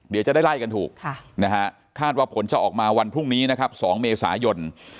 เดี๋ยวจะได้ไล่กันถูกนะฮะคาดว่าผลจะออกมาวันพรุ่งนี้นะครับ๒เมษายน